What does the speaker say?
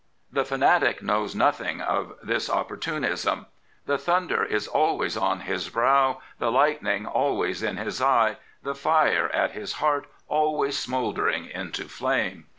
The fanatic knows nothing of this opportunism. The thunder is always on his brow, the lightning always in his eye, the fire at his heart always smouldering into flame.